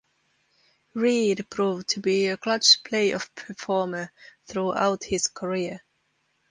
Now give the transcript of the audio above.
Reed proved to be a clutch playoff performer throughout his career.